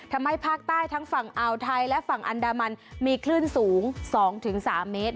ทำให้ภาคใต้ทั้งฝั่งอ่าวไทยและฝั่งอันดามันมีคลื่นสูง๒๓เมตร